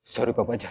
sorry pak banjar